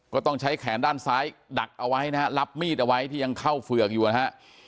ก็ต้องใช้แขนด้านซ้ายดักเอาไว้นะฮะรับมีดเอาไว้ที่ยังเข้าเฝือกอยู่นะฮะ